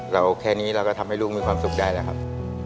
แค่นี้เราก็ทำให้ลูกมีความสุขได้แล้วครับ